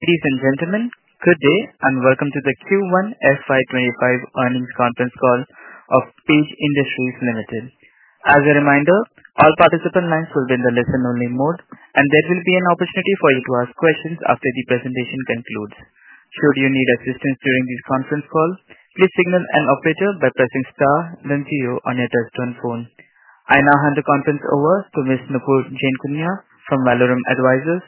Ladies and gentlemen, good day, and welcome to the Q1 FY 2025 earnings conference call of Page Industries Limited. As a reminder, all participant lines will be in the listen-only mode, and there will be an opportunity for you to ask questions after the presentation concludes. Should you need assistance during this conference call, please signal an operator by pressing star then zero on your touch-tone phone. I now hand the conference over to Ms. Nuku Jane Kunyah from Valorem Advisors.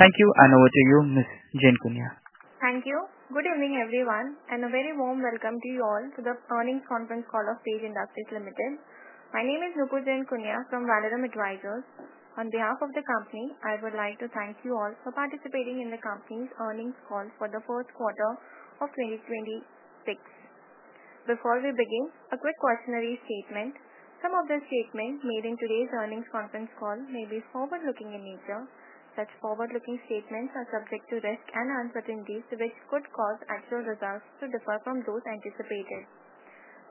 Thank you, and over to you, Ms. Jane Kunyah. Thank you. Good evening, everyone, and a very warm welcome to you all to the earnings conference call of Page Industries Limited. My name is Nuku Jane Kunyah from Valorem Advisors. On behalf of the company, I would like to thank you all for participating in the company's earnings call for the fourth quarter of 2026. Before we begin, a quick cautionary statement. Some of the statements made in today's earnings conference call may be forward-looking in nature. Such forward-looking statements are subject to risks and uncertainties which could cause actual results to differ from those anticipated.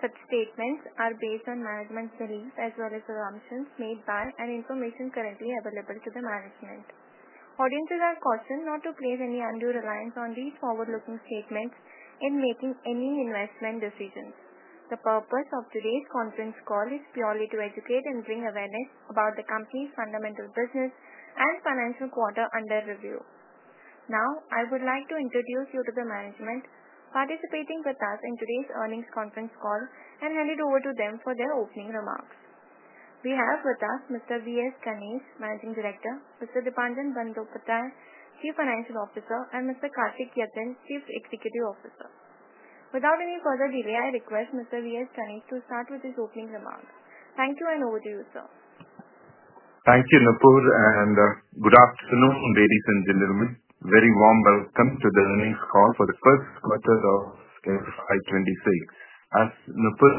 Such statements are based on management's beliefs as well as assumptions made by information currently available to the management. Audiences are cautioned not to place any undue reliance on these forward-looking statements in making any investment decisions. The purpose of today's conference call is purely to educate and bring awareness about the company's fundamental business and financial quarter under review. Now, I would like to introduce you to the management participating with us in today's earnings conference call and hand it over to them for their opening remarks. We have with us Mr. V.S. Ganesh, Managing Director; Mr. Deepanjan Bandyopadhyay, Chief Financial Officer; and Mr. Karthik Yathindra, Chief Executive Officer. Without any further delay, I request Mr. V.S. Ganesh to start with his opening remark. Thank you, and over to you, sir. Thank you, Nuku, and good afternoon, ladies and gentlemen. A very warm welcome to the earnings call for the first quarter of FY 2026. As Nupu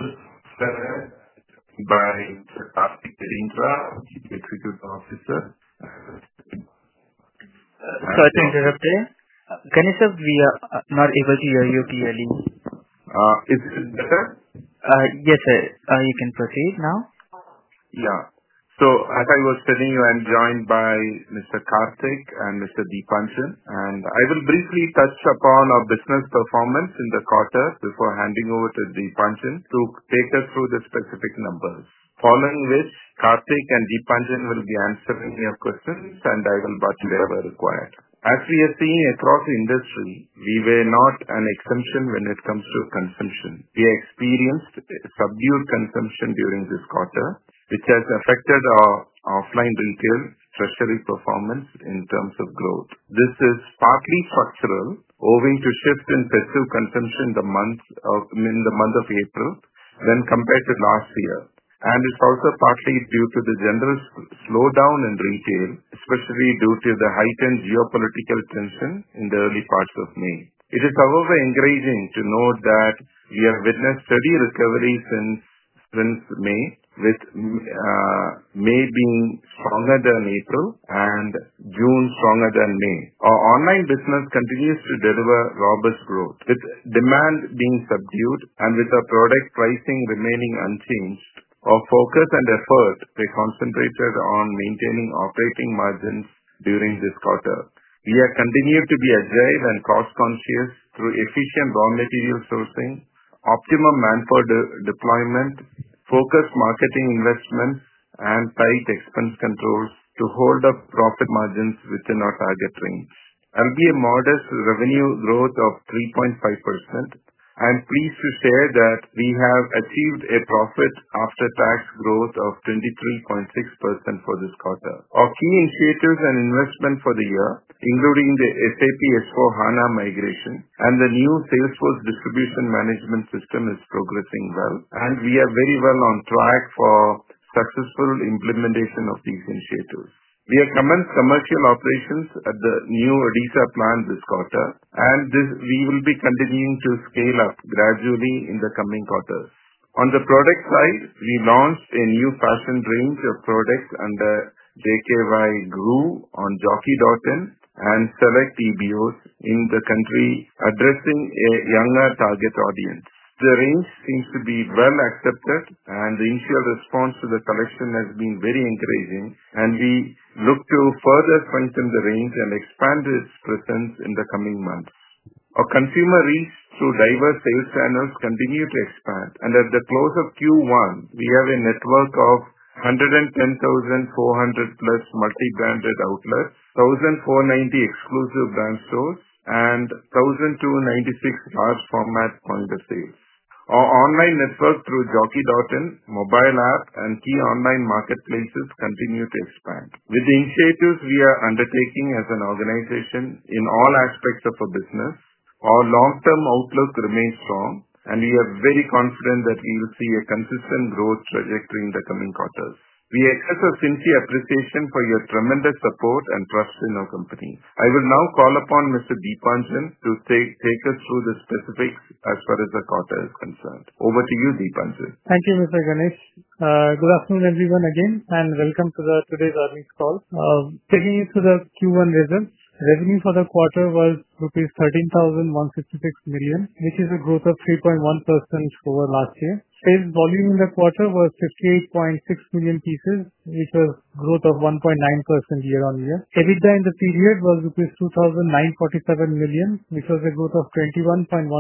started by Mr. Karthik Yathindra, Chief Executive Officer. Sorry to interrupt you. Ganesh, we are not able to hear you clearly. Yes, sir. Yes, sir. You can proceed now. Yeah. As I was telling you, I'm joined by Mr. Karthik and Mr. Deepanjan, and I will briefly touch upon our business performance in the quarter before handing over to Deepanjan to take us through the specific numbers. Following this, Karthik and Deepanjan will be answering your questions, and I will butcher wherever required. As we have seen across the industry, we were not an exception when it comes to consumption. We experienced a subdued consumption during this quarter, which has affected our offline retail strategic performance in terms of growth. This is partly structural, owing to shifts in passive consumption in the month of April when compared to last year, and it's also partly due to the generous slowdown in retail, especially due to the heightened geopolitical tension in the early parts of May. It is, however, encouraging to note that we have witnessed steady recovery since May, with May being stronger than April and June stronger than May. Our online business continues to deliver robust growth. With demand being subdued and with our product pricing remaining unchanged, our focus and efforts are concentrated on maintaining operating margins during this quarter. We have continued to be agile and cost-conscious through efficient raw material sourcing, optimum manpower deployment, focused marketing investments, and tight expense controls to hold up profit margins within our target range. There will be a modest revenue growth of 3.5%. I am pleased to say that we have achieved a profit after-tax growth of 23.6% for this quarter. Our key initiatives and investments for the year, including the SAP S/4HANA migration and the new Salesforce Distribution Management System, are progressing well, and we are very well on track for successful implementation of these initiatives. We have commenced commercial operations at the new Odisha plant this quarter, and we will be continuing to scale up gradually in the coming quarters. On the product side, we launched a new fashion range of products under JKYGRU on jockey.in and select EBOs in the country, addressing a younger target audience. The range seems to be well accepted, and the initial response to the collection has been very encouraging, and we look to further strengthen the range and expand its presence in the coming months. Our consumer reach through diverse sales channels continues to expand. At the close of Q1, we have a network of 110,400+multi-brand outlets, 1,490 exclusive brand stores, and 1,296 large format point of sales. Our online network through jockey.in, mobile app, and key online marketplaces continues to expand. With the initiatives we are undertaking as an organization in all aspects of our business, our long-term outlook remains strong, and we are very confident that we will see a consistent growth trajectory in the coming quarters. We express our sincere appreciation for your tremendous support and trust in our company. I will now call upon Mr. Deepanjan to take us through the specifics as far as the quarter is concerned. Over to you, Deepanjan. Thank you, Mr. Ganesh. Good afternoon, everyone, again, and welcome to today's earnings call. Taking you through the Q1 results, revenue for the quarter was rupees 13,166 million, which is a growth of 3.1% over last year. Sales volume in the quarter was 58.6 million pieces, which was a growth of 1.9% year-on-year. EBITDA in the period was rupees 2,947 million, which was a growth of 21.1%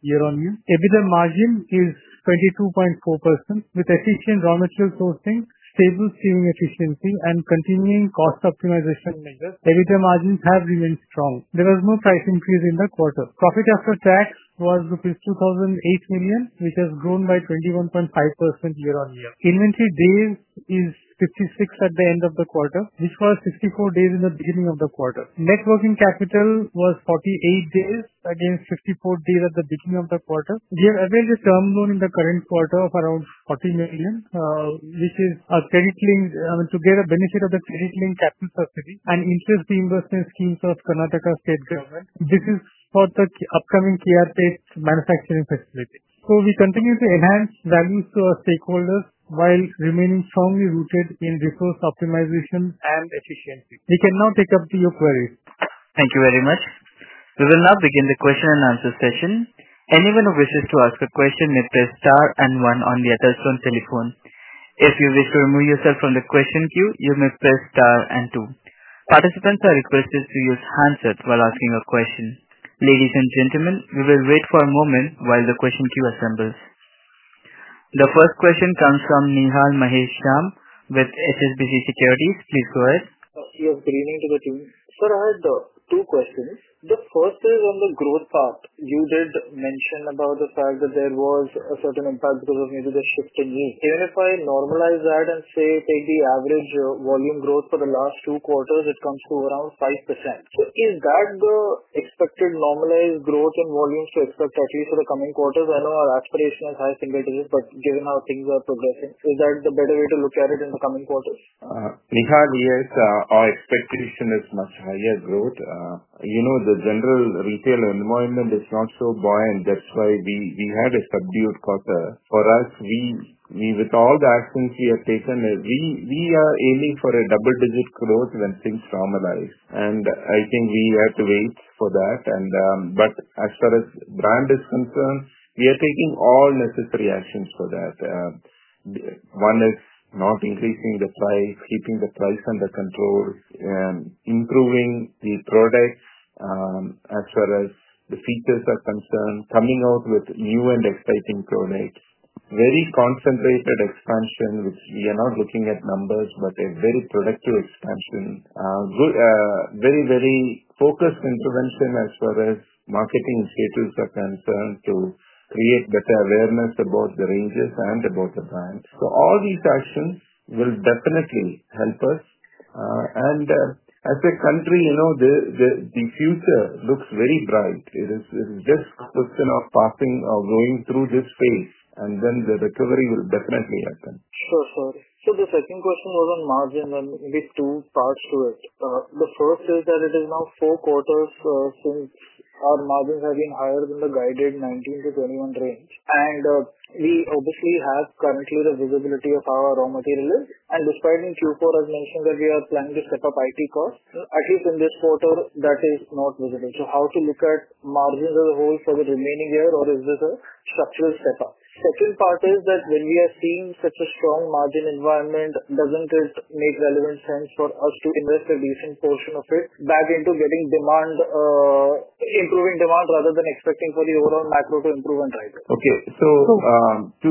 year-on-year. EBITDA margin is 22.4%. With efficient raw material sourcing, stable sewing efficiency, and continuing cost optimization measures, EBITDA margins have remained strong. There was no price increase in the quarter. Profit after tax was rupees 2,008 million, which has grown by 21.5% year-on-year. Inventory days is 56 at the end of the quarter, which was 64 days in the beginning of the quarter. Net working capital was 48 days against 54 days at the beginning of the quarter. We are available to term loan in the current quarter of around 40 million, which is a credit lien, I mean, to get a benefit of the credit lien capital subsidy and interest reimbursement schemes of Karnataka State Government. This is for the upcoming KRH manufacturing facility. We continue to enhance values to our stakeholders while remaining strongly rooted in resource optimization and efficiency. We can now take up your queries. Thank you very much. We will now begin the question-and-answer session. Anyone who wishes to ask a question may press star1 on the touch-tone telephone. If you wish to remove yourself from the question queue, you may press star2. Participants are requested to use handsets while asking a question. Ladies and gentlemen, we will wait for a moment while the question queue assembles. The first question comes from Nihal Maheshwari with HSBC Securities. Please go ahead. Thank you for agreeing to the queue. Sir, I have two questions. The first is on the growth path. You did mention about the fact that there was a certain impact growth of users at 15 years. Even if I normalize that and say take the average volume growth for the last two quarters, it comes to around 5%. Is that the expected normalized growth in volumes to expect actually for the coming quarters? I know our aspiration is higher for greater users, but given how things are progressing, is that the better way to look at it in the coming quarters? Nihal, yes, our expectation is much higher growth. You know, the general retail environment is not so buoyant, and that's why we had a subdued quarter. For us, with all the actions we have taken, as we are aiming for a double-digit growth when things normalize, I think we have to wait for that. As far as the brand is concerned, we are taking all necessary actions for that. One is not increasing the price, keeping the price under control, and improving the product. As far as the features are concerned, coming out with new and exciting products, very concentrated expansion, which we are not looking at numbers, but a very productive expansion. Very, very focused intervention as far as marketing initiatives are concerned to create better awareness about the ranges and about the brand. All these actions will definitely help us. As a country, you know, the future looks very bright. It is just a question of passing or going through this phase, and then the recovery will definitely happen. Sir, the second question was on margin, and it has two parts to it. The first is that it is now four quarters since our margins have been higher than the guided 19%-21% range, and we obviously have commented the visibility of how our raw material is. Looks like in Q4, as mentioned, that we are planning to step up IT costs. At least in this quarter, that is not visible. How to look at margins as a whole for the remaining year, or is this a structural step up? The second part is that when we have seen such a strong margin environment, doesn't it make relevant sense for us to invest a decent portion of it back into getting demand, improving demand rather than expecting for the overall macro to improve on pricing? Okay, so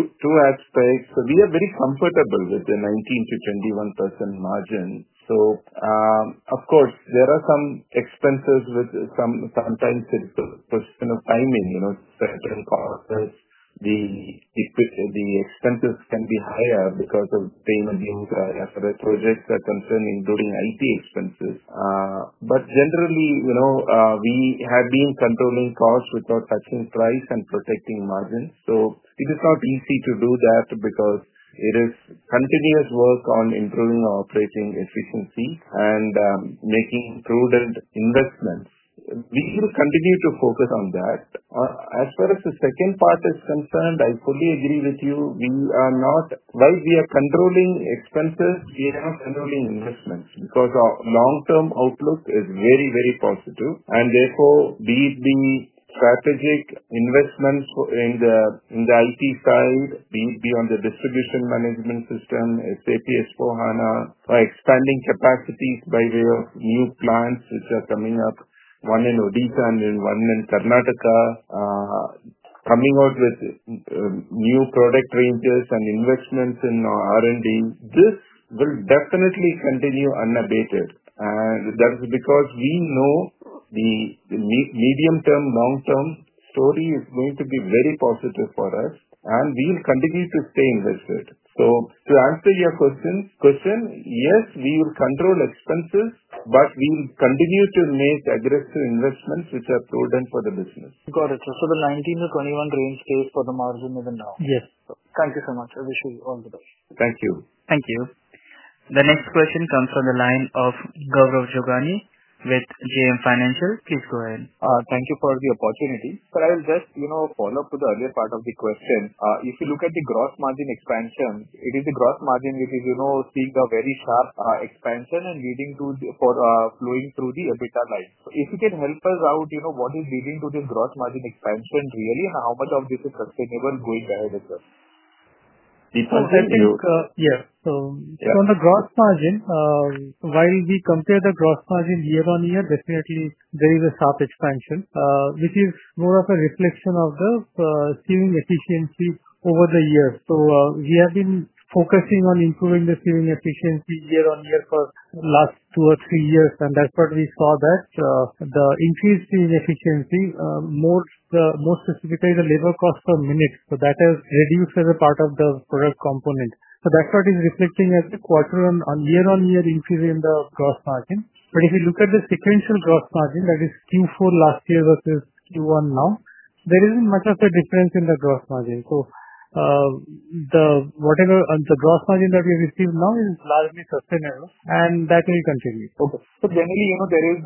two aspects. We are very comfortable with the 19%-21% margin. Of course, there are some expenses with sometimes for the question of timing, you know, certain costs. The expenses can be higher because of things being as far as projects are concerned, including IT expenses. Generally, you know, we have been controlling costs without touching price and protecting margins. It is not easy to do that because it is continuous work on improving our operating efficiency and making prudent investments. We will continue to focus on that. As far as the second part is concerned, I fully agree with you. We are not, we are controlling expenses, we are not controlling investments because our long-term outlook is very, very positive. Therefore, we have been strategic investments in the IT side. We have been on the Salesforce Distribution Management System, SAP S/4HANA, by expanding capacities by way of new plants which are coming up, one in Odisha and one in Karnataka, coming out with new product ranges and investments in our R&D. This will definitely continue unabated. That is because we know the medium term, long term story is going to be very positive for us, and we will continue to stay invested. To answer your question, yes, we will control expenses, but we will continue to make aggressive investments which are prudent for the business. Got it. For the 19%-21% range, stays for the margin even now? Yes. Thank you so much. I wish you all the best. Thank you. Thank you. The next question comes from the line of Guruvar Shukla with JM Financial. Please go ahead. Thank you for the opportunity. Sir, I will just follow up to the earlier part of the question. If you look at the gross margin expansion, it is the gross margin which is seeing a very sharp expansion and leading to flowing through the EBITDA line. If you can help us out, you know what is leading to this gross margin expansion? Really, how much of this is sustainable going ahead? Yeah. On the gross margin, while we compare the gross margin year on year, definitely there is a sharp expansion, which is more of a reflection of the sewing efficiency over the years. We have been focusing on improving the sewing efficiency year on year for the last two or three years, and that's what we saw, that the increased sewing efficiency, more specifically the labor cost per minute, that has reduced as a part of the product component. That's what is reflecting as the quarter on year on year increase in the gross margin. If you look at the sequential gross margin, that is Q4 last year versus Q1 now, there isn't much of a difference in the gross margin. Whatever the gross margin that we received now is largely sustainable, and that will continue. Okay. Generally, you know there is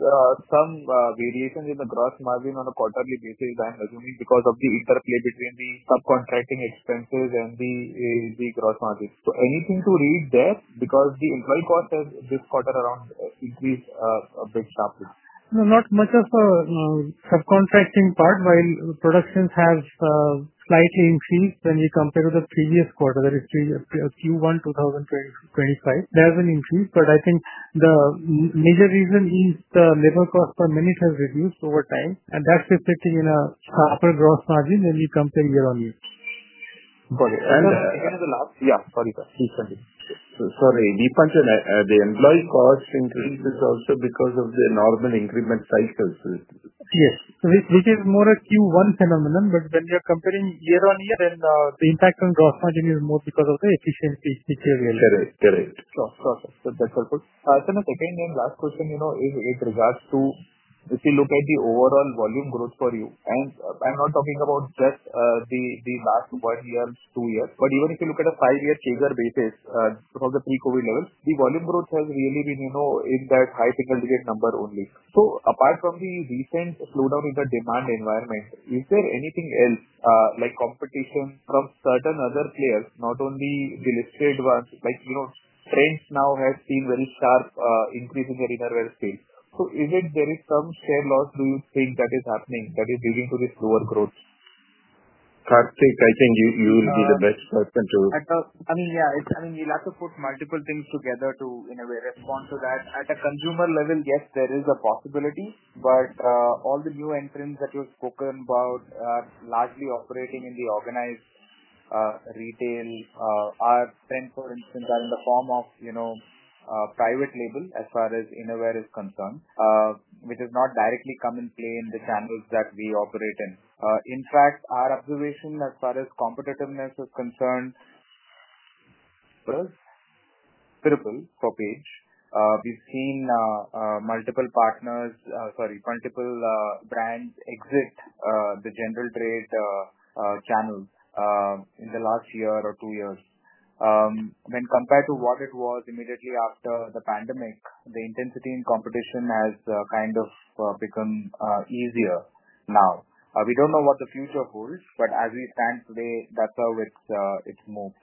some variation in the gross margin on a quarterly basis. That is only because of the interplay between the subcontracting expenses and the gross margin. Is there anything to read into that because the employee cost has this quarter around increased a bit sharply? Not much of a subcontracting part, while productions have slightly increased when we compare to the previous quarter, that is Q1 2025. There's an increase, but I think the major reason is the labor cost per minute has reduced over time, and that's reflecting in a sharper gross margin when we compare year on year. Got it. As you know, the last, sorry. Sorry, Deepanjan, the employee cost increase is also because of the normal increment cycles. Yes, which is more a Q1 phenomenon, but when we are comparing year on year, the impact on gross margin is more because of the efficiency issues we are dealing with. That's helpful. Sir, my second and last question, it regards to if you look at the overall volume growth for you, and I'm not talking about just the last one year or two years, but even if you look at a five-year share basis from the pre-COVID level, the volume growth has really been in that high percentage number only. Apart from the recent slowdown in the demand environment, is there anything else like competition from certain other players, not only the listed ones? For example, France now has seen a very sharp increase in their innerwear sales. Is there some share loss do you think that is happening that is leading to this slower growth? Karthik, I think you will be the best person to. You have to put multiple things together to respond to that. At a consumer level, yes, there is a possibility, but all the new entrants that you've spoken about are largely operating in the organized retail. Our brands, for instance, are in the form of private label as far as innerwear is concerned, which does not directly come and play in the channels that we operate in. In fact, our observation as far as competitiveness is concerned is critical for Page Industries Limited. We've seen multiple brands exit the general trade channel in the last year or two years. When compared to what it was immediately after the pandemic, the intensity in competition has kind of become easier now. We don't know what the future holds, but as we stand today, that's how it moves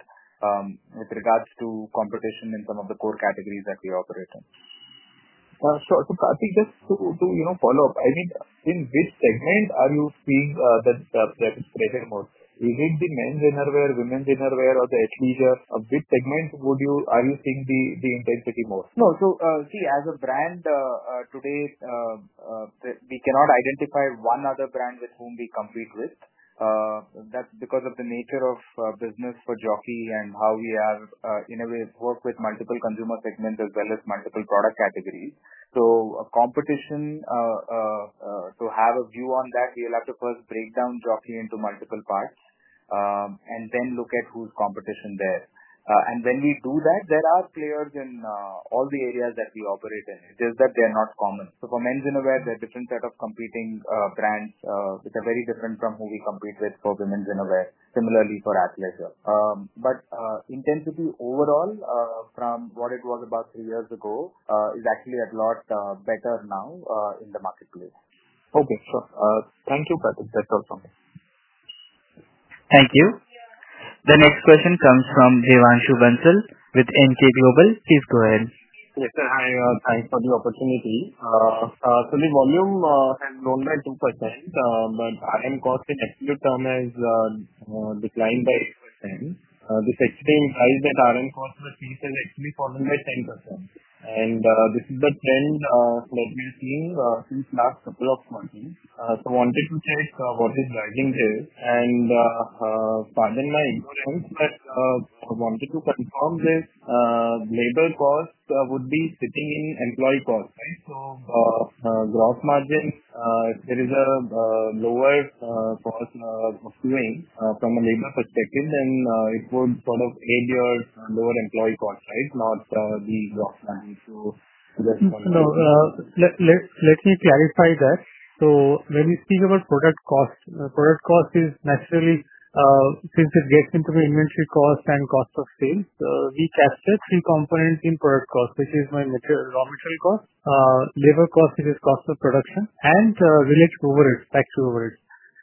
with regards to competition in some of the core categories that we operate in. I think just to follow up, in this segment, are you seeing that there is a place for women's innerwear or the HV shirt? Which segment are you seeing the intensity more? No. As a brand today, we cannot identify one other brand with whom we compete. That's because of the nature of business for Jockey and how we work with multiple consumer segments as well as multiple product categories. To have a view on that, you'll have to first break down Jockey into multiple parts and then look at who's competition there. When we do that, there are players in all the areas that we operate in. It is that they're not common. For men's innerwear, there are different sets of competing brands, which are very different from who we compete with for women's innerwear, similarly for athleisure. Intensity overall, from what it was about three years ago, is actually a lot better now in the marketplace. Okay, sure. Thank you. That's helpful. Thank you. The next question comes from Devanshu Bansal with MK Global. Please go ahead. Yes, sir. Hi, thanks for the opportunity. The volume has grown by 2%, but RM cost in execute term has declined by 8%. The executing price that RM costs for the piece has actually fallen by 10%. This is the trend that we've seen since the last couple of months. I wanted to check what the driving is, and I wanted to confirm that labor cost would be sitting in employee cost. Gross margins, there is a lower cost of doing from a labor perspective, and it would sort of aid your lower employee cost, right? Not the gross margin. Let me clarify that. When we speak about product cost, product cost is naturally since it gets into the inventory cost and cost of sales, we cast a few components in product cost, which is my raw material cost, labor cost, which is cost of production, and village overage, tax overage.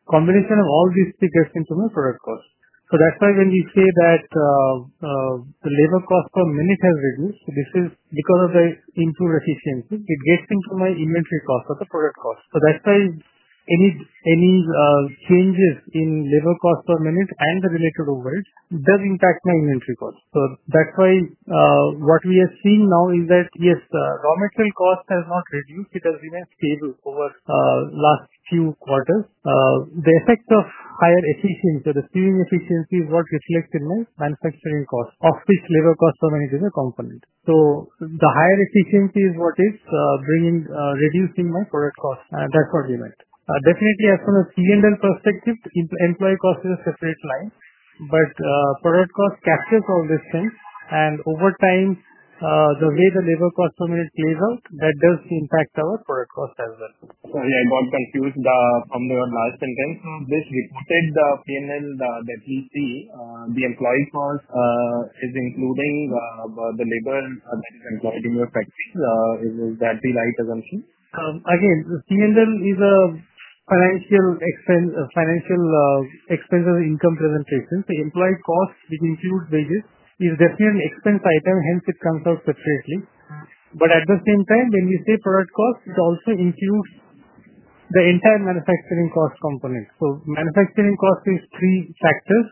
Combination of all these things gets into my product cost. That's why when you say that the labor cost per minute has reduced, this is because of the improved efficiency. It gets into my inventory cost or the product cost. Any changes in labor cost per minute and the related overage does impact my inventory cost. What we are seeing now is that, yes, the raw material cost has not reduced because we have stayed over the last few quarters. The effect of higher efficiency, the ceiling efficiency is what reflects in my manufacturing cost of which labor cost per minute is a component. The higher efficiency is what is bringing reducing my product cost, and that's what we meant. Definitely, as from a P&L perspective, employee cost is a separate line, but product cost captures all these things. Over time, the way the labor cost per minute plays out, that does impact our product cost as well. Sorry, I got confused on your last sentence. This with the P&L that we see, the employee cost is including the labor employed in your tax. Is that the right assumption? Again, the P&L is a financial expense of income presentation. The employee cost, which includes wages, is definitely an expense item, hence it comes out specifically. At the same time, when you say product cost, it also includes the entire manufacturing cost component. Manufacturing cost is three factors: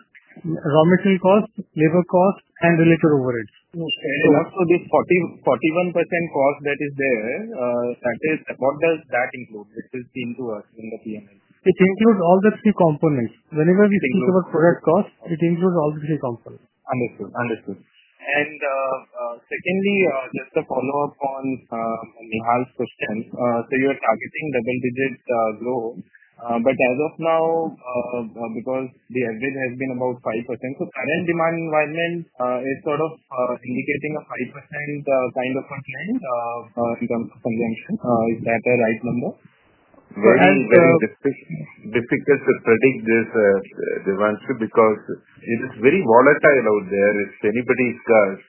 raw material cost, labor cost, and related overage. Okay. That's for this 41% cost that is there. What does that include? This is seen to us in the P&L. It includes all the three components. Whenever we speak about product cost, it includes all the three components. Understood. Secondly, just to follow up on Nihal's question, you are targeting double-digit growth, but as of now, because the average has been about 5%, the current demand environment is sort of indicating a 5% kind of a client convention. Is that the right number? It's difficult to predict this, Devanshu, because it is very volatile out there. It's delivered in gusts.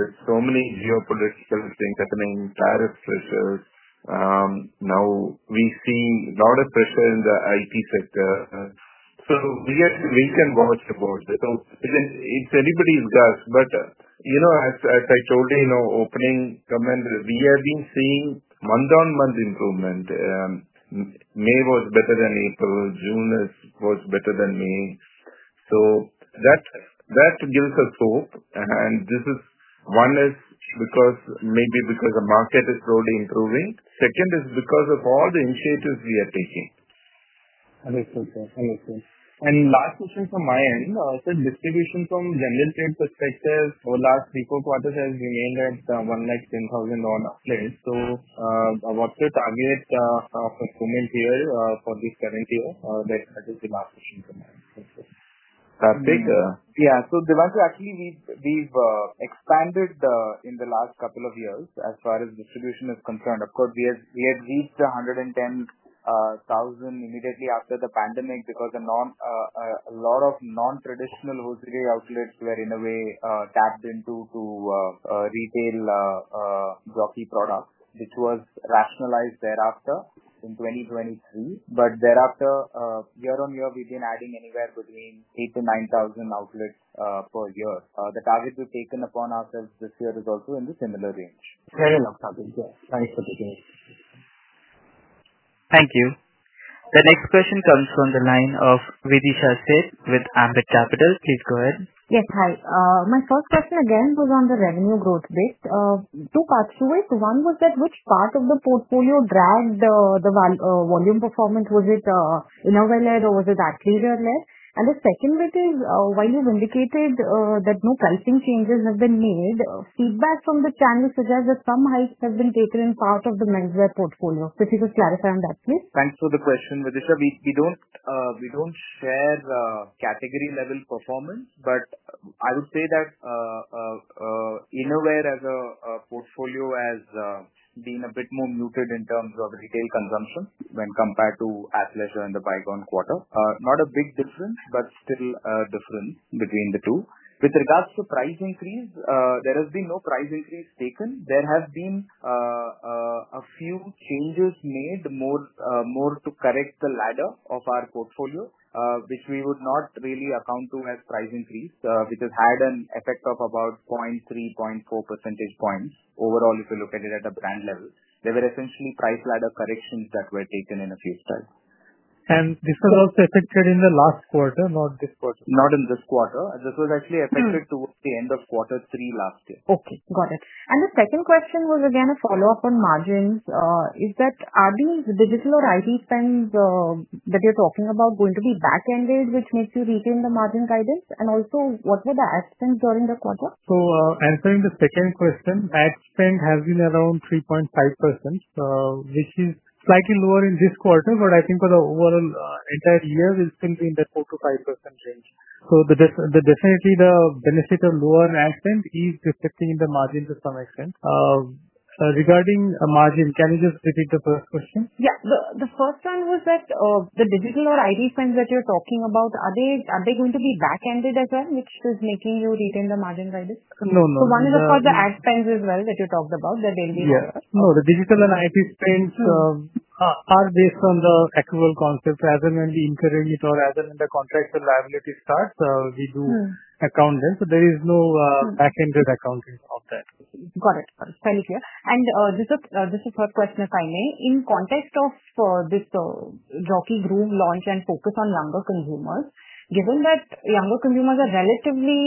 There are so many geopolitical things happening, tariff pressures. Now we're seeing a lot of pressure in the IT sector. We can watch about it. It's delivered in gusts. You know, as I told you in my opening comment, we have been seeing month-on-month improvement. May was better than April. June was better than May. That gives us hope. This is one, maybe because the market is slowly improving. Second is because of all the initiatives we are taking. Understood. Last question from my end. Sir, distribution from general trade perspective, over the last three quarters has remained at around 10,000 on upgrades. What's the target of the current year for this current year that has been? Yeah. Devanshu, actually, we've expanded in the last couple of years as far as distribution is concerned. We had reached 110,000 immediately after the pandemic because a lot of non-traditional grocery outlets were in a way tapped into to retail Jockey products, which was rationalized thereafter in 2023. Thereafter, year on year, we've been adding anywhere between 8,000-9,000 outlets per year. The target we've taken upon after this year is also in the similar range. It's very locked up in there. Thanks for taking it. Thank you. The next question comes from the line of Videesha Sheth with Ambit Capital. Please go ahead. Yes, hi. My first question again was on the revenue growth base. Two parts to it. One was that which part of the portfolio dragged the volume performance? Was it innerwear layer or was it athleisure layer? The second bit is, while you've indicated that no pricing changes have been made, feedback from the channels suggests that some hikes have been taken in part of the men's wear portfolio. Could you just clarify on that, please? Thanks for the question, Videesha. We don't share category-level performance, but I would say that innerwear as a portfolio has been a bit more muted in terms of retail consumption when compared to athleisure in the bygone quarter. Not a big difference, but still a difference between the two. With regards to price increase, there has been no price increase taken. There have been a few changes made more to correct the ladder of our portfolio, which we would not really account to as price increase, which has had an effect of about 0.3%, 0.4% overall if you look at it at a brand level. There were essentially price ladder corrections that were taken in a few strides. Was this also affected in the last quarter, not this quarter? Not in this quarter. This was actually affected towards the end of quarter three last year. Okay. Got it. The second question was again a follow-up on margins. Are these digital or IT spend that you're talking about going to be back-ended, which makes you retain the margin guidance? Also, what were the ad spends during the quarter? Answering the second question, ad spend has been around 3.5%, which is slightly lower in this quarter, but I think for the overall entire year, it's still in the 4%-5% range. Definitely, the benefit of lower ad spend is reflecting in the margins to some extent. Regarding margin, can you just repeat the first question? Yeah. The first one was that the digital or IT spend that you're talking about, are they going to be back-ended as well, which is making you retain the margin guidance? No, no, no. One is for the ad spends as well that you talked about, the delivery spend? Yeah. No, the digital and IT spends are based on the equivalent concept. Rather than the increment or rather than the contractor liability starts, we do accounting. There is no back-ended accounting out there. Got it. Thank you. Just a short question, if I may. In the context of this JKYGRU launch and focus on younger consumers, given that younger consumers are relatively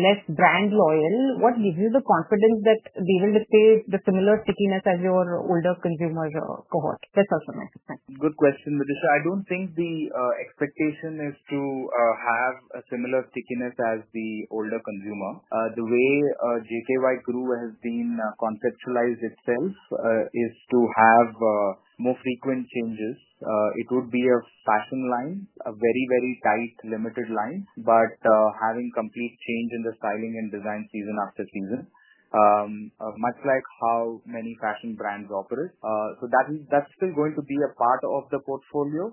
less brand loyal, what gives you the confidence that they will retain the similar stickiness as your older consumers' cohort? That's also an option. Good question, Videesha. I don't think the expectation is to have a similar stickiness as the older consumer. The way JKYGRU has been conceptualized itself is to have more frequent changes. It would be a fashion line, a very, very tight limited line, but having complete change in the styling and design season after season, much like how many fashion brands operate. That is still going to be a part of the portfolio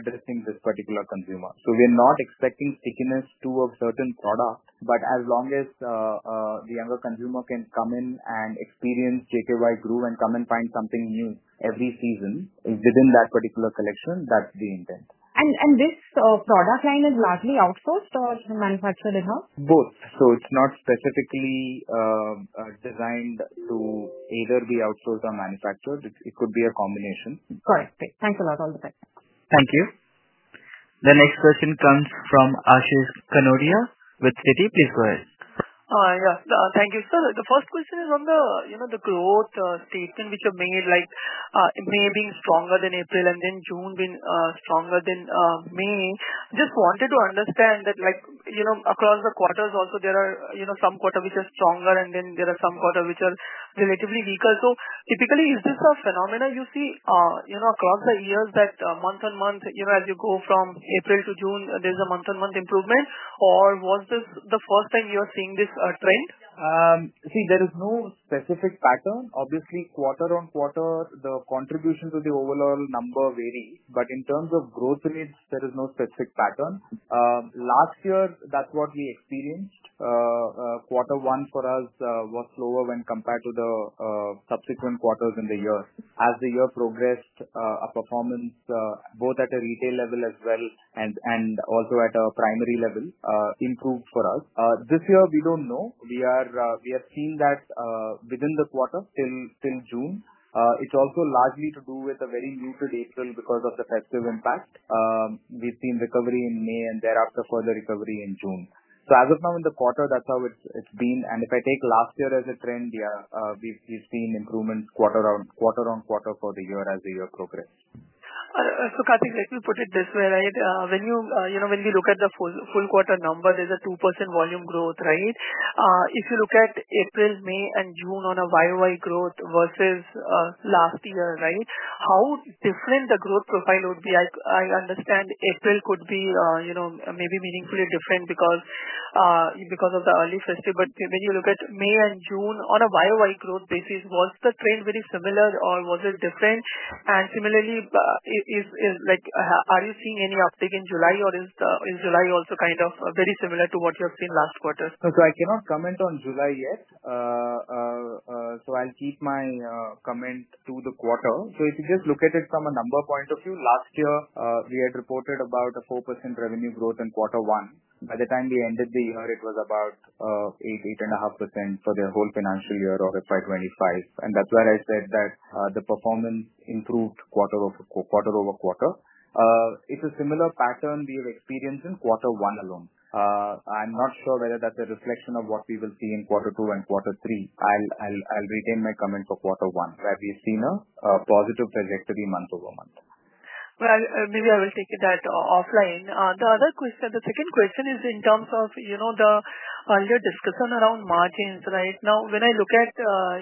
addressing this particular consumer. We're not expecting stickiness to a certain product, but as long as the younger consumer can come in and experience JKYGRU and come and find something new every season within that particular collection, that's the intent. Is this product line largely outsourced or manufactured in-house? It's not specifically designed to either be outsourced or manufactured. It could be a combination. Got it. Thanks a lot. All the best. Thank you. The next question comes from Ashish Kanodia with Citi. Please go ahead. Yes. Thank you. Sir, the first question is on the growth statement which you made, like May being stronger than April and then June being stronger than May. Just wanted to understand that, like, across the quarters also, there are some quarters which are stronger and then there are some quarters which are relatively weaker. Typically, is this a phenomena you see across the years that month on month, as you go from April to June, there's a month on month improvement? Or was this the first time you are seeing this trend? See, there is no specific pattern. Obviously, quarter on quarter, the contribution to the overall number varies. In terms of growth rates, there is no specific pattern. Last year, that's what we experienced. Quarter one for us was slower when compared to the subsequent quarters in the year. As the year progressed, our performance both at a retail level as well as at a primary level improved for us. This year, we don't know. We have seen that within the quarter till June. It's also largely to do with a very muted April because of the festive impact. We've seen recovery in May and thereafter further recovery in June. As of now in the quarter, that's how it's been. If I take last year as a trend, yeah, we've seen improvements quarter on quarter for the year as the year progressed. Karthik, let me put it this way. When you look at the full quarter numbers, there's a 2% volume growth, right? If you look at April, May, and June on a YOY growth versus last year, how different would the growth profile be? I understand April could be, you know, maybe meaningfully different because of the early festive. When you look at May and June on a YOY growth basis, was the trend very similar or was it different? Similarly, are you seeing any uptake in July or is July also kind of very similar to what you have seen last quarter? I cannot comment on July yet. I'll keep my comment to the quarter. If you just look at it from a number point of view, last year we had reported about 4% revenue growth in quarter one. By the time we ended the year, it was about 8%-8.5% for the whole financial year or FY 2025. That's where I said that the performance improved quarter-over-quarter. It's a similar pattern we have experienced in quarter one alone. I'm not sure whether that's a reflection of what we will see in quarter two and quarter three. I'll retain my comment for quarter one where we've seen a positive trajectory month over month. Maybe I will take it offline. The other question, the second question is in terms of the earlier discussion around margins, right? Now, when I look at,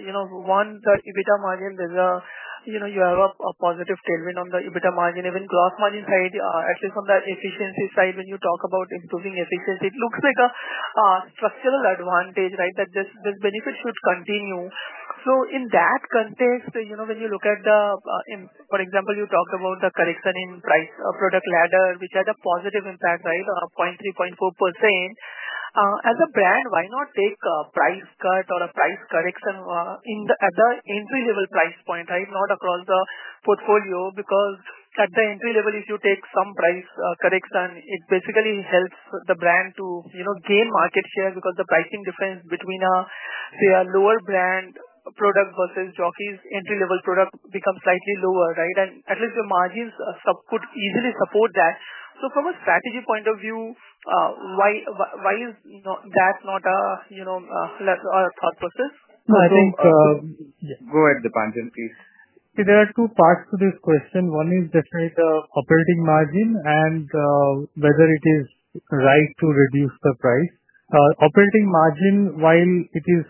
you know, one, the EBITDA margin, there's a positive tailwind on the EBITDA margin. Even gross margins actually from the efficiency side, when you talk about improving efficiency, it looks like a structural advantage, right, that this benefit should continue. In that context, when you look at the, for example, you talk about the correction in price product ladder, which had a positive impact, right, 0.3%, 0.4%. As a brand, why not take a price cut or a price correction at the entry-level price point, not across the portfolio? Because at the entry level, if you take some price correction, it basically helps the brand to gain market share because the pricing difference between a lower brand product versus Jockey's entry-level product becomes slightly lower, right? At least the margins could easily support that. From a strategy point of view, why is that not a thought process? I think, yeah, go ahead, Deepanjan, please. See, there are two parts to this question. One is definitely the operating margin and whether it is right to reduce the price. Operating margin, while it is,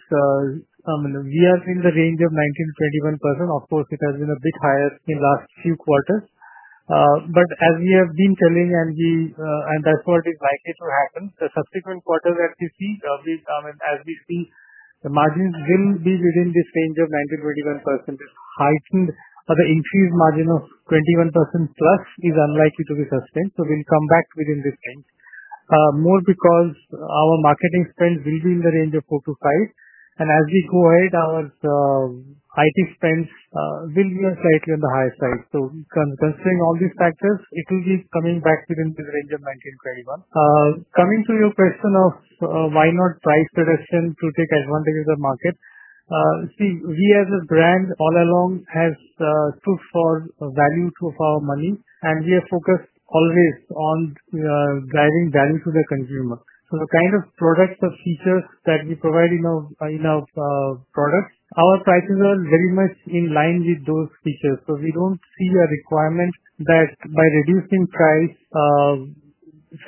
I mean, we are in the range of 19%-21%, of course, it has been a bit higher in the last few quarters. As we have been telling, and that's what is likely to happen, the subsequent quarter that we see, the margins will be within this range of 19%-21%. It's heightened for the increased margin of 21%+ is unlikely to be sustained. We'll come back within this range, more because our marketing spend will be in the range of 4%-5%. As we go ahead, our IT spend will be slightly on the higher side. Considering all these factors, it will be coming back within the range of 19%- 21%. Coming to your question of why not price correction to take advantage of the market, we as a brand all along have put forth value through our money, and we have focused always on driving value to the consumer. The kind of products, the features that we provide in our products, our prices are very much in line with those features. We don't see a requirement that by reducing price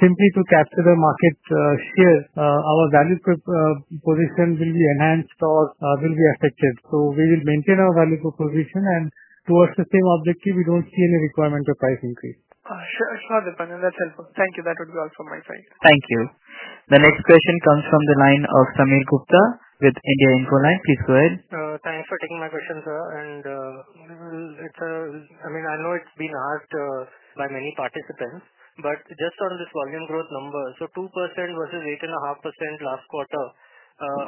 simply to capture the market share, our value proposition will be enhanced or will be affected. We will maintain our value proposition, and towards the same objective, we don't see any requirement of price increase. Sure. Devanshu, that's helpful. Thank you. That would be all from my side. Thank you. The next question comes from the line of Sameer Gupta with India Infoline. Please go ahead. Thanks for taking my question, sir. I know it's been asked by many participants, but just on this volume growth number, 2% versus 8.5% last quarter,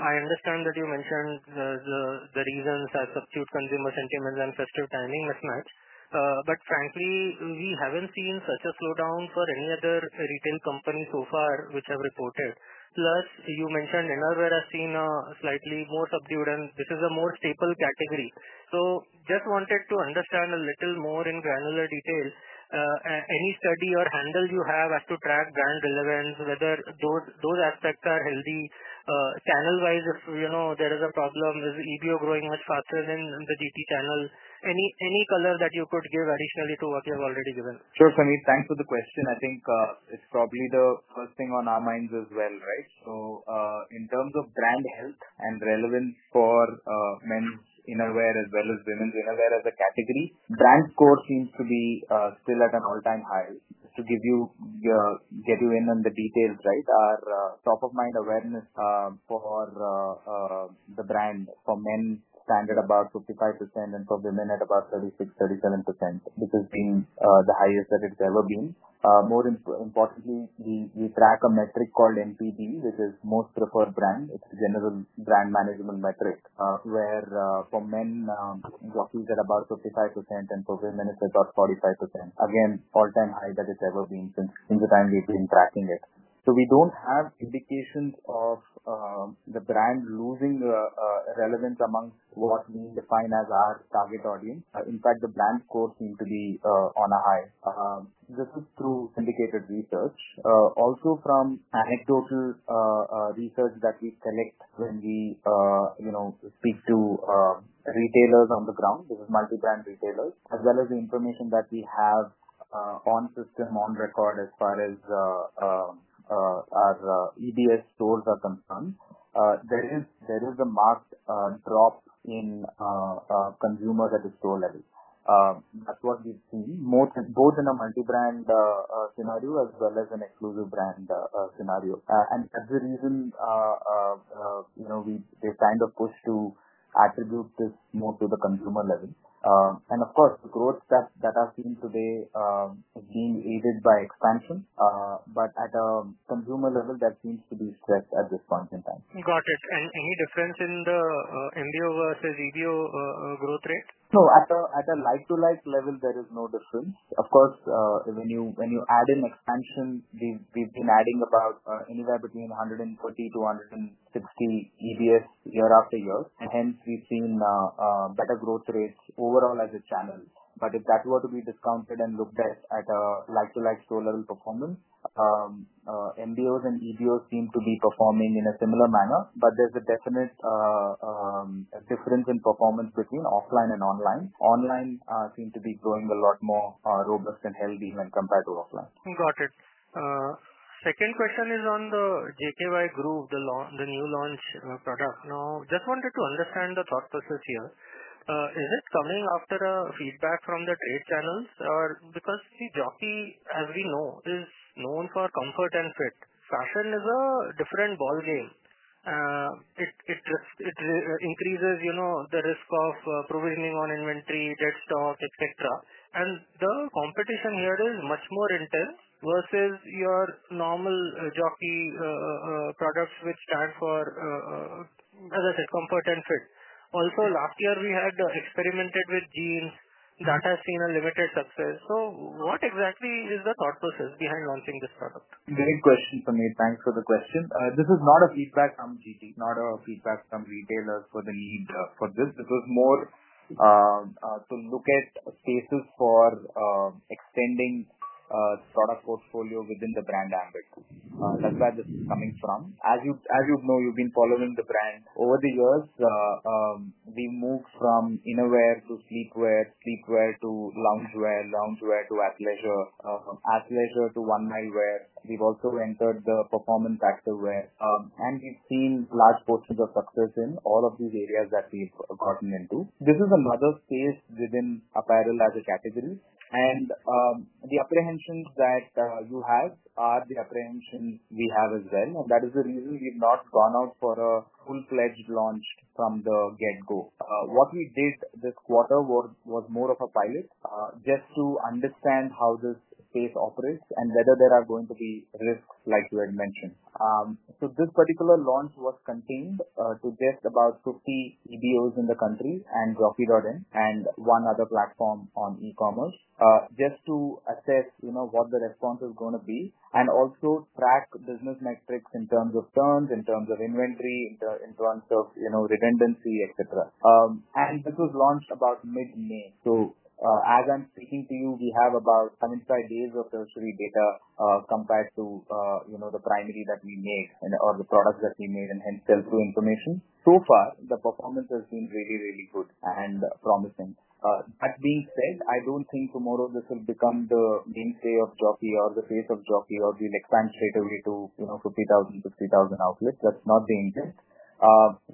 I understand that you mentioned the reasons as subdued consumer sentiment and festive timing mismatch. Frankly, we haven't seen such a slowdown for any other retail company so far which I've reported. Plus, you mentioned innerwear has seen a slightly more subdued, and this is a more stable category. I just wanted to understand a little more in granular detail, any study or handle you have as to track brand relevance, whether those aspects are healthy channel-wise. If you know there is a problem, is EBO growing much faster than the GT channel? Any color that you could give additionally to what you've already given? Sure, Kameed. Thanks for the question. I think it's probably the first thing on our minds as well, right? In terms of brand health and relevance for men's innerwear as well as women's innerwear as a category, brand score seems to be still at an all-time high. To get you in on the details, our top-of-mind awareness for the brand for men stands at about 55% and for women at about 36%, 37%, which has been the highest that it's ever been. More importantly, we track a metric called MPB, which is most preferred brand. It's a general brand management metric where for men, Jockey is about 55% and for women, it's about 45%. Again, all-time high that it's ever been since the time we've been tracking it. We don't have indications of the brand losing relevance amongst what's being defined as our target audience. In fact, the brand score seems to be on a high. This is through syndicated research. Also, from anecdotal research that we collect when we speak to retailers on the ground, this is multi-brand retailers, as well as the information that we have on system, on record as far as our EBO stores are concerned, there is a marked drop in consumers at the store level. That's what we see, both in a multi-brand scenario as well as an exclusive brand scenario. That's the reason we've signed a push to attribute this more to the consumer level. Of course, the growth that has been today has been aided by expansion. At a consumer level, that seems to be stretched at this point in time. You got it. Any difference in the MBO versus EBO growth rates? At a like-to-like level, there is no difference. Of course, when you add in expansion, we've been adding about anywhere between 140-160 EBOs year after year, and hence, we've seen better growth rates overall as a channel. If that were to be discounted and looked at a like-to-like store level performance, MBOs and EBOs seem to be performing in a similar manner. There's a definite difference in performance between offline and online. Online seem to be growing a lot more robust and healthy when compared to offline. Got it. Second question is on the JKYGRU, the new launch product. I just wanted to understand the thought process here. Is this coming after a feedback from the trade channels? Because Jockey, as we know, is known for comfort and fit. Fashion is a different ball game. It just increases the risk of provisioning on inventory, dead stock, etc. The competition here is much more intense versus your normal Jockey products, which stand for, as I said, comfort and fit. Also, last year we had experimented with jeans. That has been a limited success. What exactly is the thought process behind launching this product? Great question for me. Thanks for the question. This is not a feedback from GT, not a feedback from retailers for the need for this. This is more to look at spaces for extending product portfolio within the brand average. That's where this is coming from. As you know, you've been following the brand over the years. We've moved from innerwear to sleepwear, sleepwear to loungewear, loungewear to athleisure, athleisure to one-night wear. We've also entered the performance factor wear. We've seen large portions of success in all of these areas that we've gotten into. This is another space within apparel as a category. The apprehensions that you have are the apprehensions we have as well. That is the reason we've not gone out for a full-fledged launch from the get-go. What we did this quarter was more of a pilot just to understand how this space operates and whether there are going to be risks like you had mentioned. This particular launch was contained to just about 50 EBOs in the country and jockey.in and one other platform on e-commerce just to assess what the response is going to be and also track business metrics in terms of turns, in terms of inventory, in terms of redundancy, etc. This was launched about mid-May. As I'm speaking to you, we have about 75 days of tertiary data compared to the primary that we made and all the products that we made and hence sell-through information. So far, the performance has been really, really good and promising. That being said, I don't think tomorrow this will become the mainstay of Jockey or the face of Jockey or we'll expand straight away to 50,000, 50,000 outlets. That's not the intent.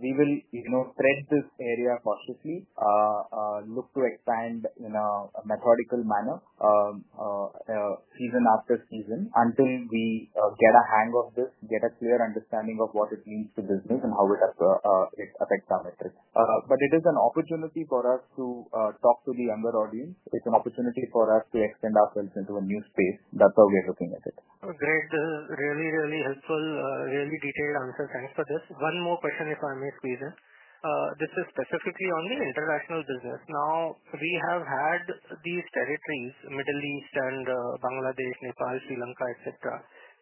We will thread this area cautiously, look to expand in a methodical manner, season after season, until we get a hang of this, get a clear understanding of what it means to business and how it affects our metrics. It is an opportunity for us to talk to the younger audience. It's an opportunity for us to extend ourselves into a new space. That's how we're looking at it. Great. Really, really helpful, really detailed answer. Thanks for this. One more question, if I may, Steven. This is specifically on the international business. Now, we have had these territories, Middle East and Bangladesh, Nepal, Sri Lanka, etc.,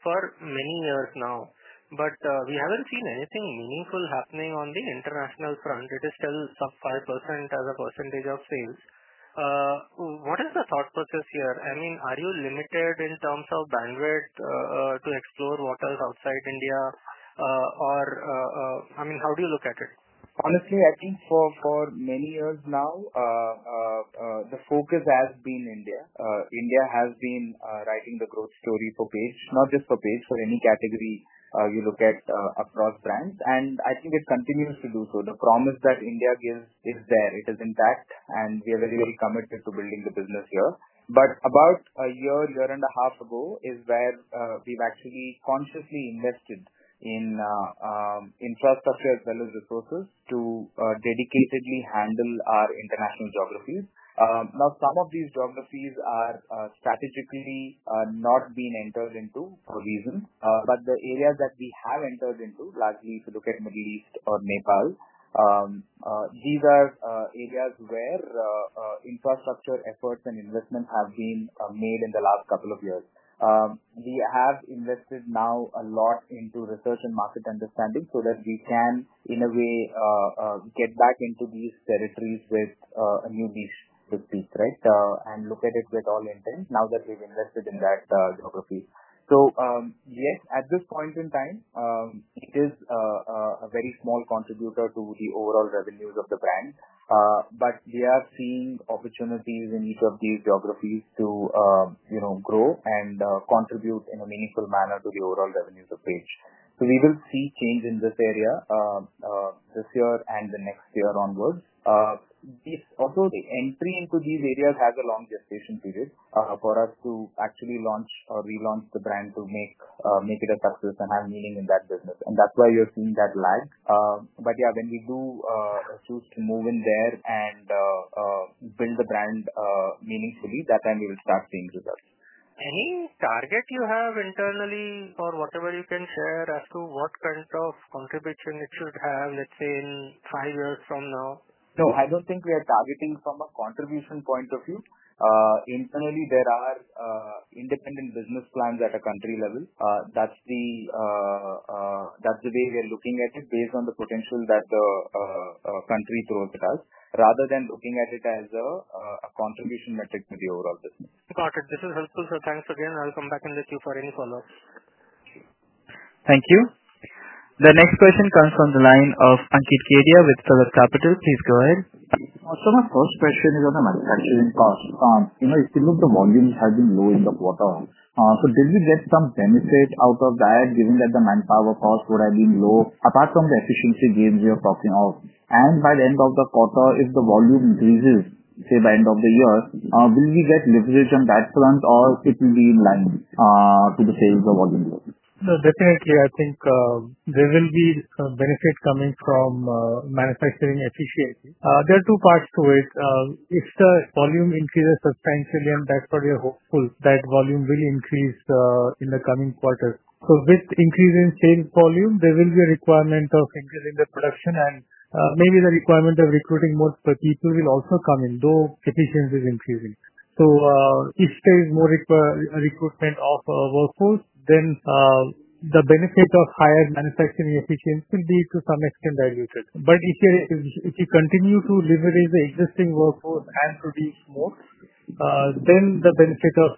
for many years now. We haven't seen anything meaningful happening on the international front. It is still sub 5% as a percentage of sales. What is the thought process here? I mean, are you limited in terms of bandwidth to explore waters outside India? I mean, how do you look at it? Honestly, at least for many years now, the focus has been India. India has been writing the growth story for Page Industries Limited, not just for Page Industries Limited, for any category you look at across brands. I think it continues to do so. The promise that India gives is there. It is intact. We are very committed to building the business here. About a year, year and a half ago is where we've actually consciously invested in infrastructure as well as resources to dedicatedly handle our international geographies. Some of these geographies are strategically not being entered into for a reason. The areas that we have entered into, largely if you look at the Middle East or Nepal, these are areas where infrastructure efforts and investments have been made in the last couple of years. We have invested now a lot into research and market understanding so that we can, in a way, get back into these territories with a new beat, right, and look at it with all intent now that we've invested in that geography. Yes, at this point in time, it is a very small contributor to the overall revenues of the brand. We are seeing opportunities in each of these geographies to, you know, grow and contribute in a meaningful manner to the overall revenues of Page Industries Limited. We will see change in this area this year and the next year onward. Of course, entry into these areas has a long gestation period for us to actually launch or relaunch the brand to make it a success and have meaning in that business. That's why we are seeing that lag. When we do choose to move in there and build the brand meaningfully, that time we will start seeing results. Any target you have internally or whatever you can share as to what kind of contribution it should have, let's say, in five years from now? No, I don't think we are targeting from a contribution point of view. Internally, there are independent business plans at a country level. That's the way we are looking at it based on the potential that the country throws at us, rather than looking at it as a contribution metric to the overall business. Got it. This is helpful. Thanks again. I'll come back in with you for any follow-ups. Thank you. The next question comes from the line of Ankit Kedia with PhillipCapital. Please go ahead. My first question is on the manufacturing cost. If you look, the volumes have been low in the quarter. Did we get some benefit out of that, given that the manpower cost would have been low, apart from the efficiency gains we are talking of? By the end of the quarter, if the volume decreases, say by the end of the year, will we get leverage on that front or will it be in line to the sales or volume growth? Definitely, I think there will be a benefit coming from manufacturing efficiency. There are two parts to it. If the volume increases substantially, and that's what we are hopeful, that volume will increase in the coming quarter. With increasing sales volume, there will be a requirement of increasing the production and maybe the requirement of recruiting more people will also come in, though efficiency is increasing. If there is more recruitment of workforce, then the benefit of higher manufacturing efficiency will be to some extent diluted. If you continue to leverage the existing workforce and produce more, then the benefit of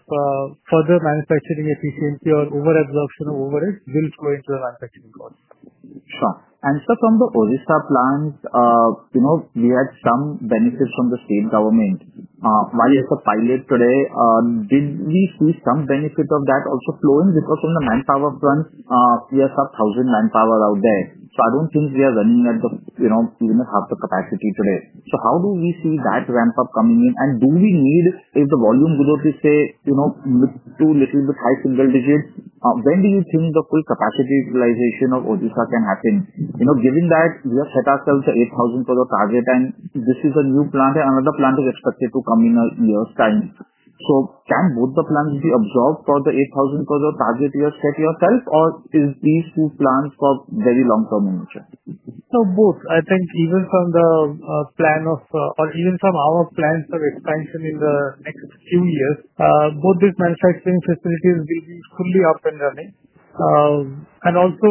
further manufacturing efficiency or overabsorption of overage will flow into the manufacturing cost. As for the Odisha plant, we had some benefits from the state government. While it's a pilot today, did we see some benefit of that also flowing? Because on the manpower front, we have 1,000 manpower out there. I don't think we are running at even half the capacity today. How do we see that ramp up coming in? Do we need, if the volume growth is, say, too little with high single digit, when do you think the full capacity utilization of Odisha can happen? Given that we have set ourselves an 8,000 per year target and this is a new plant and another plant is expected to come in a year's time, can both the plants be absorbed for the 8,000 per year target you have set yourself or are these two plants for very long-term in nature? I think even from the plan of, or even from our plans for expansion in the next few years, both these manufacturing facilities will be fully up and running. Also,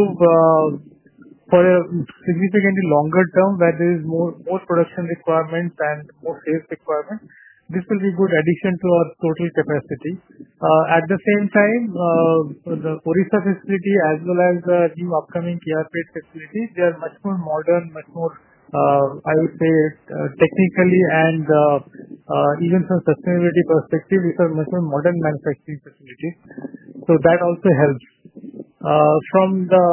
for a significantly longer term where there is more production requirement and more sales requirement, this will be a good addition to our total capacity. At the same time, the Odisha facility, as well as the new upcoming Karnataka facilities, they are much more modern, much more, I would say, technically and even from a sustainability perspective, these are much more modern manufacturing facilities. That also helps. From the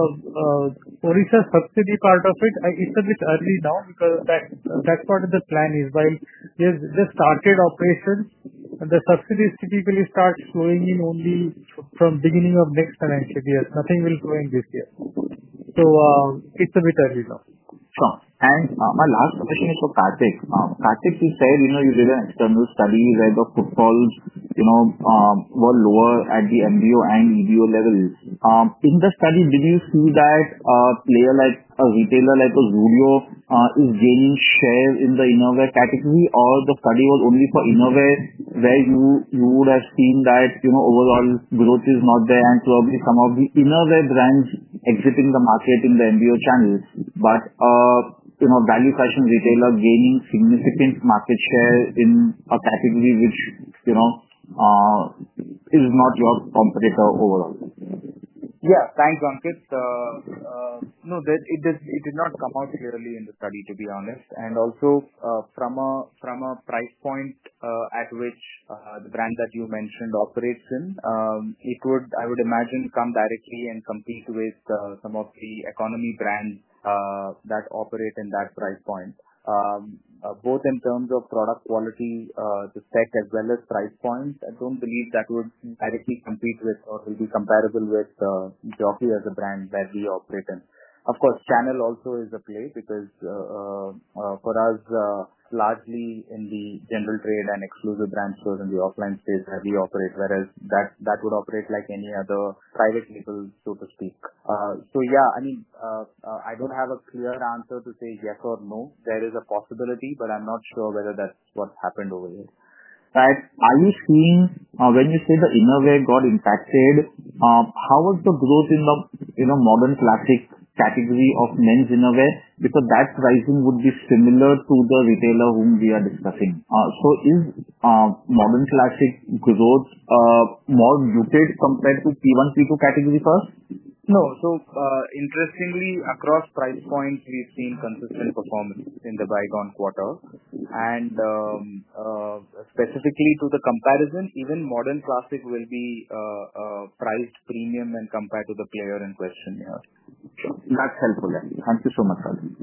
Odisha subsidy part of it, it's a bit early now because that's part of the plan is while we have just started operations and the subsidies typically start flowing in only from the beginning of next financial year. Nothing will flow in this year. It's a bit early now. Thanks. My last question is for Karthik. Karthik, you said you did an external study where the footfall was lower at the MBO and EBO levels. In the study, did you see that a player like a retailer like a Zudio is gaining share in the innerwear category or the study was only for innerwear where you would have seen that overall growth is not there and probably some of the innerwear brands exiting the market in the MBO channels? Value fashion retail are gaining significant market share in a category which is not your competitor overall. Yeah, thanks, Ankit. No, it did not come out clearly in the study, to be honest. Also, from a price point at which the brand that you mentioned operates in, it would, I would imagine, come directly and compete with some of the economy brands that operate in that price point. Both in terms of product quality, defect, as well as price point, I don't believe that would directly compete with or will be comparable with Jockey as a brand that we operate in. Of course, channel also is a play because for us, largely in the general trade and exclusive brand stores and the offline space that we operate, whereas that would operate like any other private label, so to speak. I don't have a clear answer to say yes or no. There is a possibility, but I'm not sure whether that's what happened over here. I'm seeing when you say the innerwear got impacted, how was the growth in the modern classic category of men's innerwear? Because that pricing would be similar to the retailer whom we are discussing. Is modern classic growth more muted compared to T1, T2 category first? No. Interestingly, across price points, we've seen consistent performance in the bygone quarter. Specifically to the comparison, even modern classic will be priced premium when compared to the player in question. That's helpful, Ankit. Thank you so much, Karthik.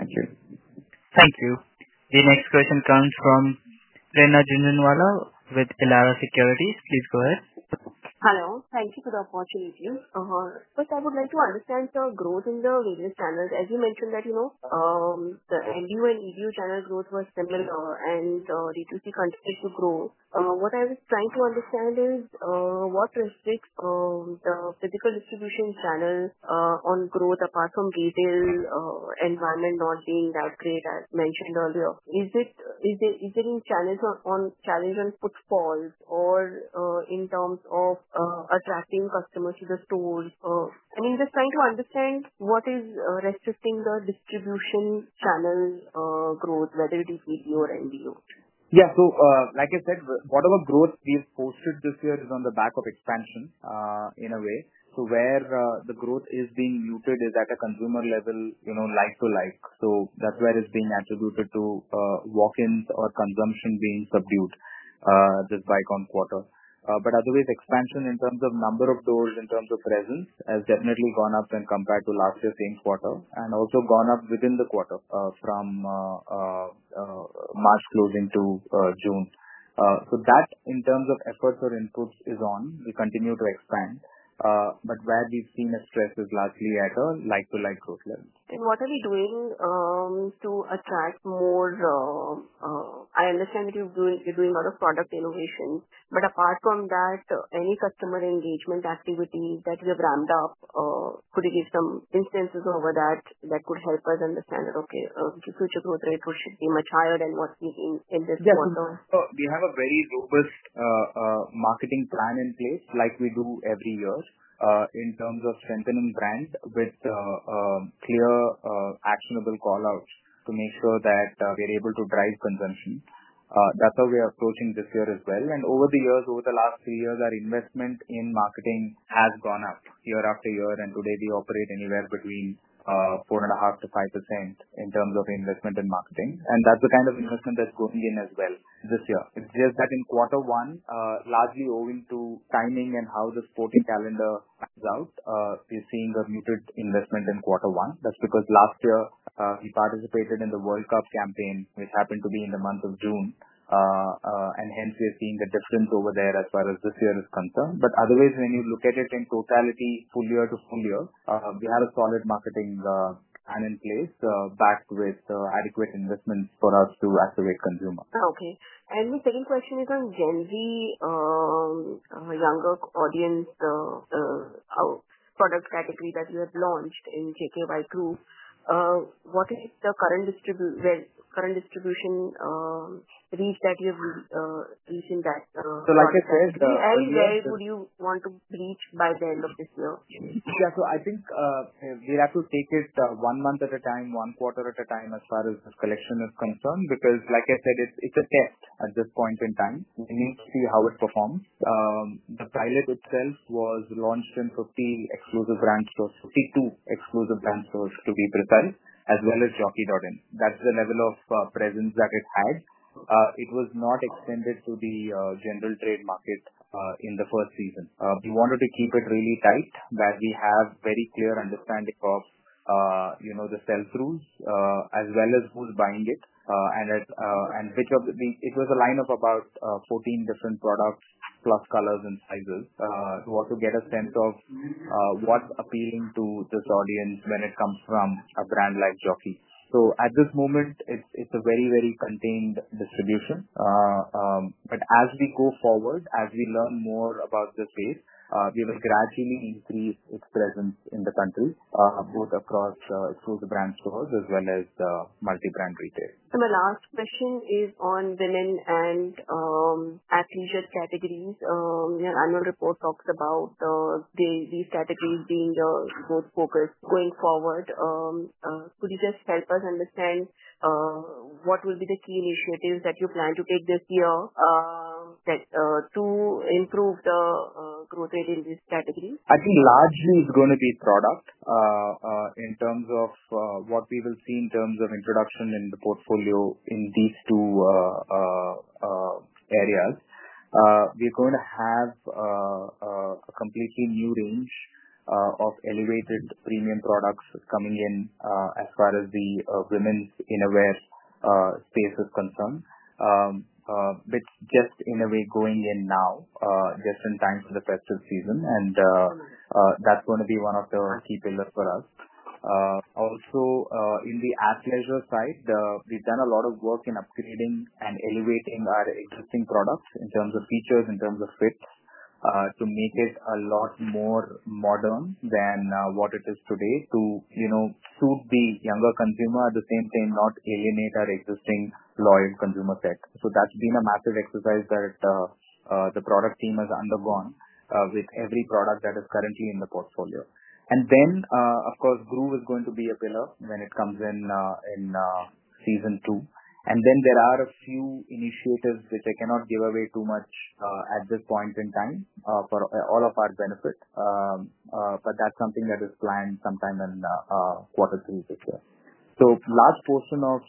Thank you. Thank you. The next question comes from Prerna Jhunjhunwala with Elara Securities. Please go ahead. Hello. Thank you for the opportunity. First, I would like to understand your growth in the business channels. As you mentioned that, you know, the MBO and EBO channel growth was stabilized and they used to continue to grow. What I was trying to understand is, what restricts the physical distribution channel on growth apart from retail environment not being that great as mentioned earlier? Is it in channels on challenges and footfalls, or in terms of attracting customers to the stores? I mean, just trying to understand what is restricting the distribution channel growth, whether it is EBO or MBO. Yeah. Like I said, whatever growth we have posted this year is on the back of expansion, in a way. Where the growth is being muted is at a consumer level, you know, like-to-like. That's where it's being attributed to walk-ins or consumption being subdued this bygone quarter. Otherwise, expansion in terms of number of stores, in terms of presence, has definitely gone up when compared to last year's same quarter and also gone up within the quarter, from March closing to June. That in terms of efforts or inputs is on. We continue to expand. Where we've seen a stress is largely at a like-to-like growth level. What are we doing to attract more? I understand that you're doing a lot of product innovation. Apart from that, any customer engagement activity that we have ramped up, could it be some instances over that that could help us understand that, okay, future growth rate should be much higher than what we've seen in this quarter? Yes. We have a very robust marketing plan in place, like we do every year, in terms of strengthening brand with clear, actionable callouts to make sure that we are able to drive consumption. That's how we are approaching this year as well. Over the years, over the last three years, our investment in marketing has gone up year after year. Today, we operate anywhere between 4.5%-5% in terms of investment in marketing. That's the kind of investment that's going in as well this year. It's just that in quarter one, largely owing to timing and how the sporting calendar is out, we're seeing a muted investment in quarter one. That's because last year, we participated in the World Cup campaign, which happened to be in the month of June. Hence, we're seeing a difference over there as far as this year is concerned. Otherwise, when you look at it in totality, full year to full year, we have a solid marketing plan in place backed with adequate investments for us to activate consumers. Okay. The second question is on Gen Z, younger audience, the product category that we have launched in JKYGRU. What is the current distribution reach that you have reached in that? Like I said. Where would you want to reach by the end of this year? Yeah. I think we have to take it one month at a time, one quarter at a time as far as the collection is concerned because, like I said, it's a test at this point in time. We need to see how it performs. The pilot itself was launched in 52 exclusive brand stores, as well as jockey.in. That's the level of presence that it's had. It was not extended to the general trade market in the first season. We wanted to keep it really tight where we have very clear understanding of the sales rules, as well as who's buying it. It was a line of about 14 different products plus colors and sizes. We want to get a sense of what's appealing to this audience when it comes from a brand like Jockey. At this moment, it's a very, very contained distribution. As we go forward, as we learn more about this space, we will gradually increase its presence in the country, both across exclusive brand stores as well as the multi-brand retail. My last question is on women and athleisure categories. Your annual report talks about these categories being the most focused going forward. Could you just help us understand what will be the key initiatives that you plan to take this year to improve the growth rate in these categories? I think largely it's going to be product in terms of what we will see in terms of introduction in the portfolio in these two areas. We're going to have a completely new range of elevated premium products coming in as far as the women's innerwear space is concerned. It's just in a way going in now, just in time for the festive season. That's going to be one of the key pillars for us. Also, in the athleisure side, we've done a lot of work in upgrading and elevating our existing products in terms of features, in terms of fit to make it a lot more modern than what it is today to, you know, suit the younger consumer at the same time, not alienate our existing loyal consumer set. That's been a massive exercise that the product team has undergone with every product that is currently in the portfolio. Of course, JKYGRU is going to be a pillar when it comes in in season two. There are a few initiatives which I cannot give away too much at this point in time for all of our benefit. That's something that is planned sometime in quarter three this year. A large portion of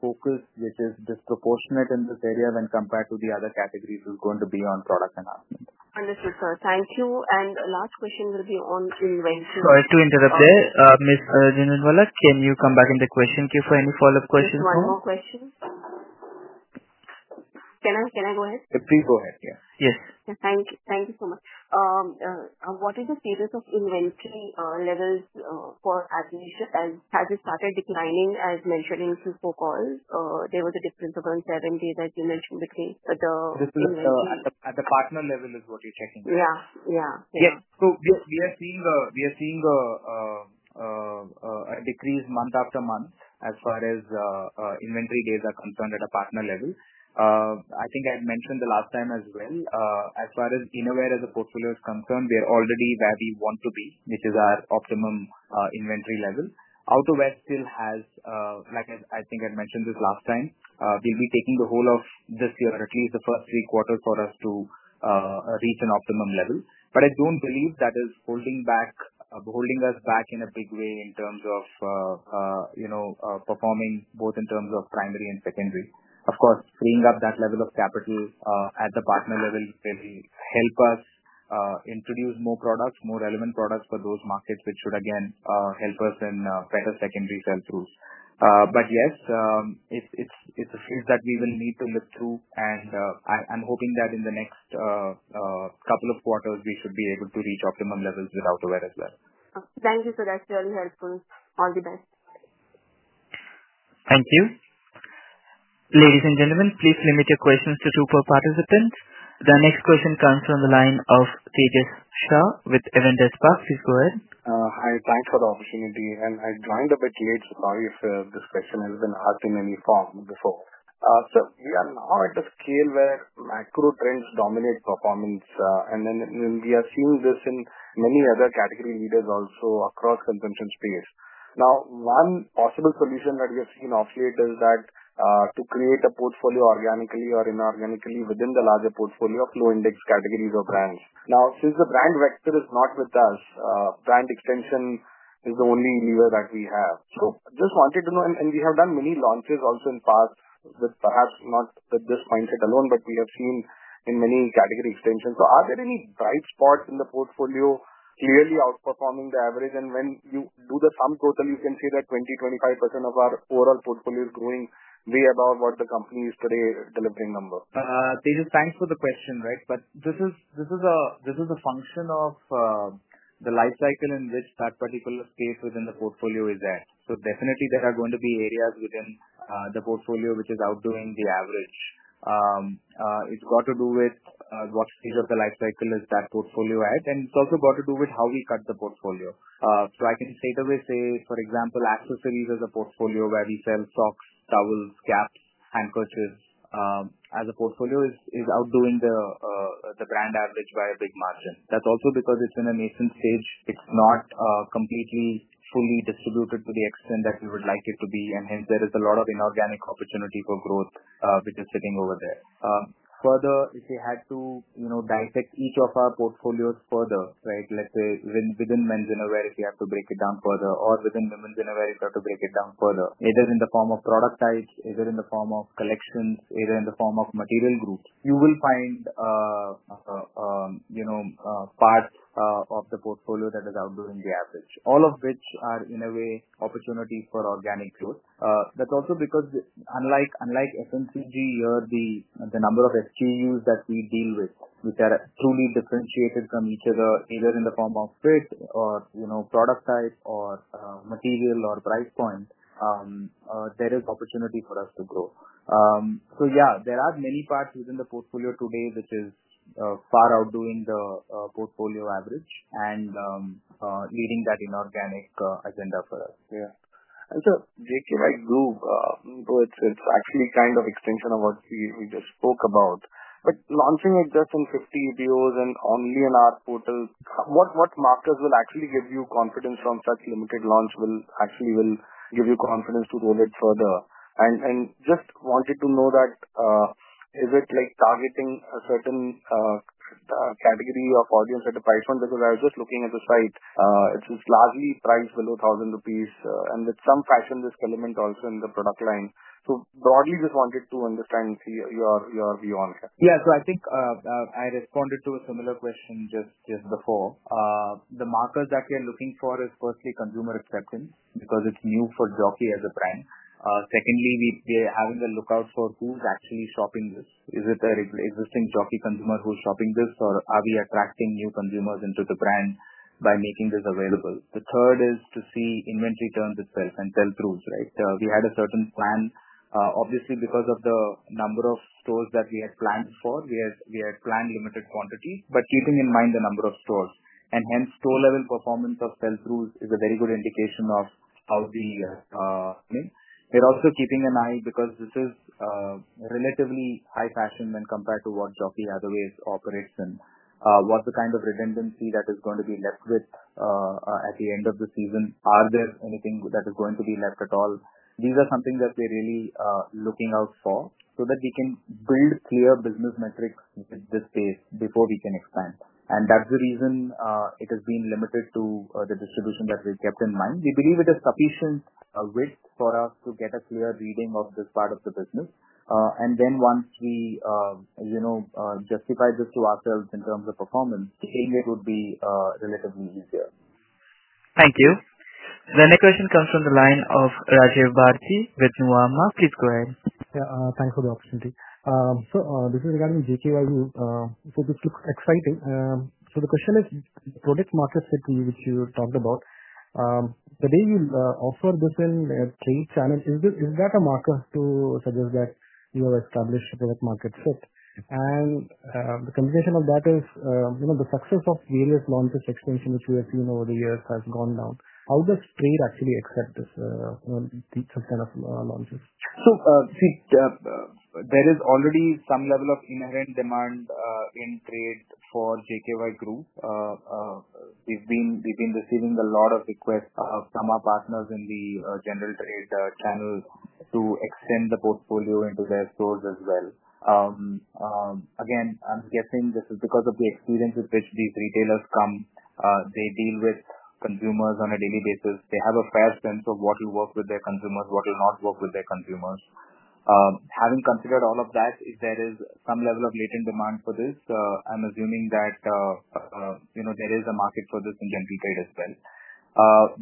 focus, which is disproportionate in this area when compared to the other categories, is going to be on product and output. Understood, sir. Thank you. The last question will be on inventory. Sorry to interrupt there. Ms. Jhunjhunwala, can you come back in the question queue for any follow-up questions? One more question. Can I go ahead? Please go ahead, yeah. Yes. Thank you. Thank you so much. What is the status of inventory levels for athleisure? Has it started declining, as mentioned in the call? There was a difference among certain days that you mentioned the change, but the. This is at the partner level, is what you're checking. Yeah, yeah. Yeah. We are seeing a decrease month after month as far as inventory days are concerned at a partner level. I think I had mentioned the last time as well. As far as innerwear as a portfolio is concerned, we are already where we want to be, which is our optimum inventory level. Outerwear still has, like I think I had mentioned this last time, we'll be taking the whole of this year or at least the first three quarters for us to reach an optimum level. I don't believe that is holding us back in a big way in terms of performing both in terms of primary and secondary. Of course, freeing up that level of capital at the partner level will help us introduce more products, more relevant products for those markets, which should again help us in a secondary sell-through. Yes, it's a truth that we will need to look through. I'm hoping that in the next couple of quarters, we should be able to reach optimum levels with outerwear as well. Thank you, sir. That's really helpful. All the best. Thank you. Ladies and gentlemen, please limit your questions to two per participant. The next question comes from the line of Tejas Shah with Elander Spark. Please go ahead. Hi. Thanks for the opportunity. I joined a bit late, sorry if this question has been asked in any form before. Sir, we are now at the scale where macro trends dominate performance. We are seeing this in many other category leaders also across the consumption space. One possible solution that we have seen off late is to create a portfolio organically or inorganically within the larger portfolio of low-index categories or brands. Since the brand vector is not with us, brand extension is the only lever that we have. I just wanted to know, and we have done many launches also in the past, perhaps not with this mindset alone, but we have seen many category extensions. Are there any bright spots in the portfolio clearly outperforming the average? When you do the sum total, you can see that 20%-25% of our overall portfolio is growing way above what the company is today delivering number. Tejas, thanks for the question, right? This is a function of the lifecycle in which that particular space within the portfolio is at. There are going to be areas within the portfolio which are outdoing the average. It's got to do with what stage of the lifecycle that portfolio is at. It's also got to do with how we cut the portfolio. I can straight away say, for example, accessories as a portfolio where we sell socks, towels, caps, hand purses as a portfolio is outdoing the brand average by a big margin. That's also because it's in a nascent stage. It's not completely fully distributed to the extent that we would like it to be. Hence, there is a lot of inorganic opportunity for growth, which is sitting over there. Further, if we had to dissect each of our portfolios further, let's say within men's innerwear, if you have to break it down further, or within women's innerwear, if you have to break it down further, either in the form of product types, either in the form of collections, either in the form of material group, you will find parts of the portfolio that are outdoing the average, all of which are, in a way, opportunities for organic growth. That's also because, unlike FMCG, the number of SKUs that we deal with, which are truly differentiated from each other, either in the form of fit or product type or material or price point, there is opportunity for us to grow. There are many parts within the portfolio today which are far outdoing the portfolio average and leading that inorganic agenda for us. Yeah. JKYGRU, it's actually kind of an extension of what we just spoke about. Launching it just in 50 exclusive brand outlets and only in our portal, what markers will actually give you confidence from such a limited launch to roll it further? I just wanted to know, is it targeting a certain category of audience at the price point? I was just looking at the site. It's slightly priced below 1,000 rupees and with some fashion risk element also in the product line. Broadly, I just wanted to understand your view on it. Yeah. I think I responded to a similar question just before. The markers that we are looking for are, firstly, consumer acceptance because it's new for Jockey as a brand. Secondly, we are on the lookout for who's actually shopping this. Is it an existing Jockey consumer who's shopping this, or are we attracting new consumers into the brand by making this available? The third is to see inventory turns itself and sell-throughs, right? We had a certain plan. Obviously, because of the number of stores that we had planned for, we had planned limited quantity, but keeping in mind the number of stores. Hence, store-level performance of sell-throughs is a very good indication of how the... It also keeps an eye because this is relatively high fashion when compared to what Jockey otherwise operates in. What's the kind of redundancy that is going to be left with at the end of the season? Is there anything that is going to be left at all? These are some things that we're really looking out for so that we can build clear business metrics with this space before we can expand. That's the reason it has been limited to the distribution that we've kept in mind. We believe it is sufficient risk for us to get a clear reading of this part of the business. Once we, you know, justify this to ourselves in terms of performance, I think it would be relatively easier. Thank you. The next question comes from the line of Rajiv Bharati with Nuvama. Please go ahead. Thanks for the opportunity. This is regarding JKYGRU. This looks exciting. The question is the product market fit which you talked about. The way you offer this in the trade channel, is that a marker to suggest that you have established the product market fit? The combination of that is, you know, the success of various launches extension which we have seen over the years has gone down. How does trade actually accept this? Some kind of launches? There is already some level of inherent demand in trade for JKYGRU. We've been receiving a lot of requests from our partners in the general trade channel to extend the portfolio into their stores as well. I'm guessing this is because of the experience with which these retailers come. They deal with consumers on a daily basis. They have a past sense of what will work with their consumers, what will not work with their consumers. Having considered all of that, if there is some level of latent demand for this, I'm assuming that there is a market for this in general trade as well.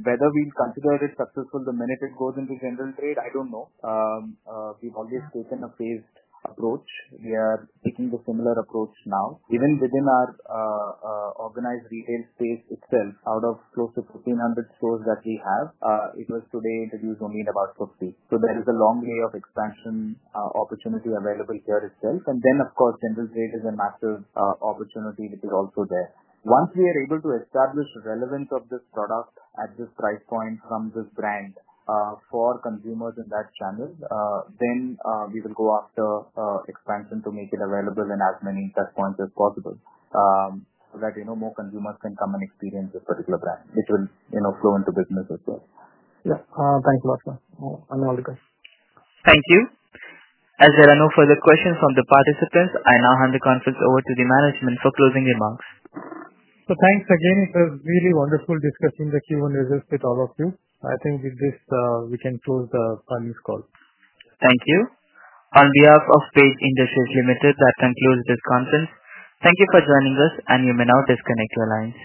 Whether we've considered it successful the minute it goes into general trade, I don't know. We've always taken a phased approach. We are taking a similar approach now. Even within our organized retail space itself, out of close to 1,400 stores that we have, it was today introduced only in about 50. There is a long way of expansion opportunity available here itself. Of course, general trade is a massive opportunity which is also there. Once we are able to establish the relevance of this product at this price point from this brand for consumers in that channel, we will go after expansion to make it available in as many touch points as possible so that more consumers can come and experience a particular brand, which will flow into business as well. Yeah, thanks a lot, sir. I'm all good. Thank you. As there are no further questions from the participants, I now hand the conference over to the management for closing remarks. Thanks again. It was really wonderful discussing the Q1 results with all of you. I think with this, we can close the news call. Thank you. On behalf of Page Industries Limited, that concludes this conference. Thank you for joining us, and we may now disconnect the lines.